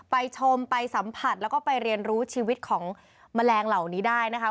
ไปชมไปสัมผัสแล้วก็ไปเรียนรู้ชีวิตของแมลงเหล่านี้ได้นะคะ